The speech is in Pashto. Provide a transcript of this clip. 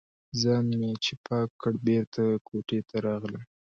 ځان مې چې پاک کړ، بېرته کوټې ته راغلم.